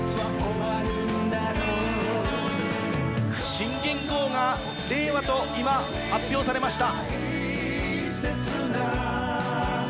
新元号が令和と今、発表されました。